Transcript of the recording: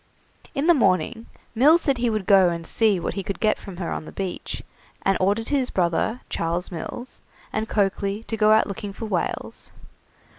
In the morning Mills said he would go and see what he could get from her on the beach, and ordered his brother, Charles Mills, and Coakley to go out looking for whales.